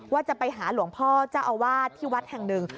ว่าจะไปหาหลวงพ่อเจ้าอาวาสที่วัดแห่งหนึ่ง